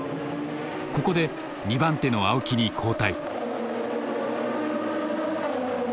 ここで２番手の青木に交代。